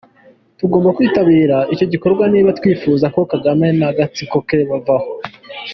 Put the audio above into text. Tugomba kwitabira icyo gikorwa, niba twifuza ko Kagame n’agatsiko ke bavaho.